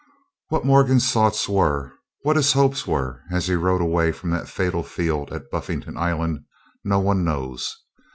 What Morgan's thoughts were, what his hopes were, as he rode away from that fatal field at Buffington Island, no one knows.